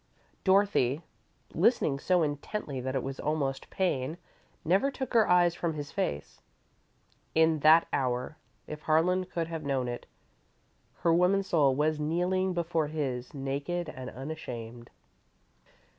Dorothy, listening so intently that it was almost pain, never took her eyes from his face. In that hour, if Harlan could have known it, her woman's soul was kneeling before his, naked and unashamed.